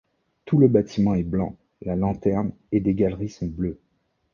Tout le bâtiment est blanc, la lanterne et des galeries sont bleus.